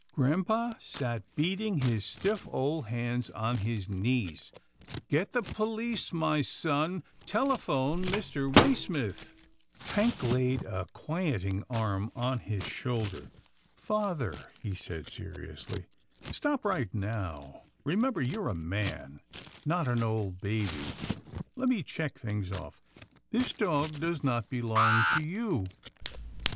Grampa sat beating his stiff old hands on his knees. " Get the police my son — telephone Mr. Waysmith." FLIGHT OF A WILD GOOSE 171 Hank laid a quieting arm on his shoulder. " Father," he said seriously, " stop right there. Re member you are a man, not an old baby. Let me check things off — this dog does not belong to you?"